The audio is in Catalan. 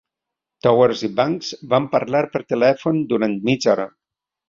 Towers i Banks van parlar per telèfon durant mitja hora.